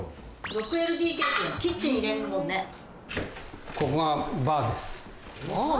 ６ＬＤＫキッチンいれるもんねバー？